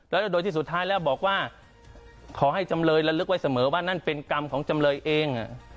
แล้วโดยที่สุดท้ายแล้วบอกว่าขอให้จำเลยระลึกไว้เสมอว่านั่นเป็นกรรมของจำเลยเอง